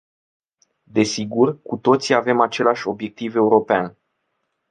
Desigur, cu toții avem același obiectiv european.